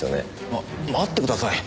ま待ってください。